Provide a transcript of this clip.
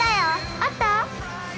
あった？